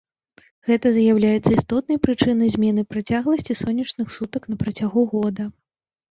Гэта з'яўляецца істотнай прычынай змены працягласці сонечных сутак на працягу года.